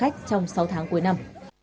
hãy đăng ký kênh để ủng hộ kênh của mình nhé